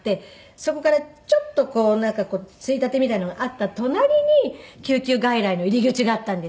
そこからちょっとついたてみたいなのがあった隣に救急外来の入り口があったんですよ。